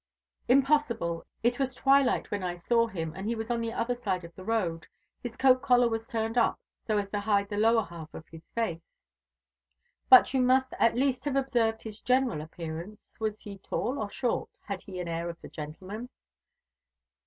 "Impossible. It was twilight when I saw him, and he was on the other side of the road. His coat collar was turned up, so as to hide the lower half of his face." "But you must at least have observed his general appearance. Was he tall or short? Had he the air of a gentleman?"